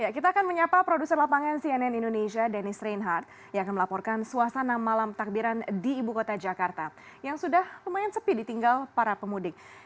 kita akan menyapa produser lapangan cnn indonesia dennis reinhardt yang akan melaporkan suasana malam takbiran di ibu kota jakarta yang sudah lumayan sepi ditinggal para pemudik